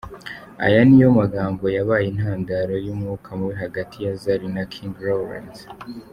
Aya niyo magambo yabaye intandaro y'umwuka mubi hagati ya Zari na King Lawrence.